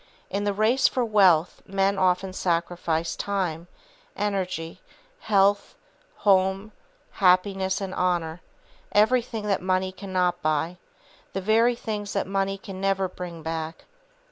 In the race for wealth men often sacrifice time, energy, health, home, happiness and honor, everything that money cannot buy, the very things that money can never bring back.